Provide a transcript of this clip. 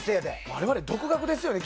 我々、独学ですよね。